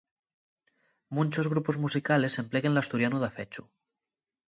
Munchos grupos musicales empleguen l'asturianu dafechu.